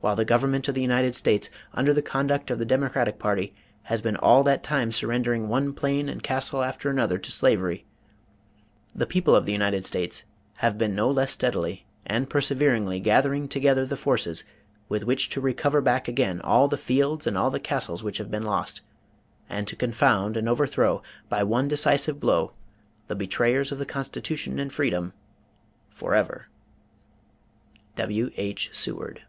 While the government of the United States, under the conduct of the Democratic party, has been all that time surrendering one plain and castle after another to slavery, the people of the United States have been no less steadily and perseveringly gathering together the forces with which to recover back again all the fields and all the castles which have been lost, and to confound and overthrow, by one decisive blow, the betrayers of the Constitution and freedom forever. W.H. SEWARD.